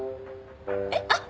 えっ？あっ！